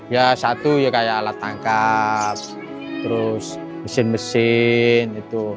ya satu ya kayak alat tangkap terus mesin mesin itu